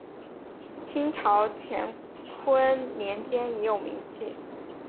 清代乾隆年间已有名气。